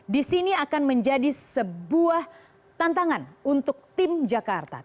di sini akan menjadi sebuah tantangan untuk tim jakarta